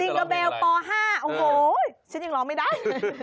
จิงเกอร์เบลต่อ๕โอ้โฮฉันยังร้องไม่ได้